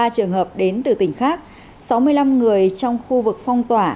ba trường hợp đến từ tỉnh khác sáu mươi năm người trong khu vực phong tỏa